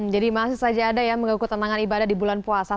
jadi masih saja ada ya mengaku tenangan ibadah di bulan puasa